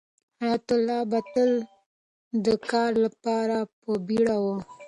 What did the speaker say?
حیات الله به تل د کار لپاره په بیړه و.